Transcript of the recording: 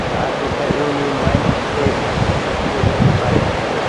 আর সেটা ইউনি-মাইন্ডকে সক্রিয় করতে পারে।